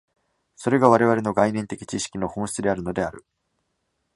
それが我々の概念的知識の本質であるのである。